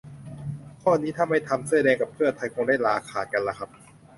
ข้อนี้ถ้าไม่ทำ เสื้อแดงกับเพื่อไทย คงได้ลาขาดกันล่ะครับ